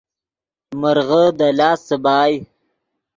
مرغے دے لاست څیبائے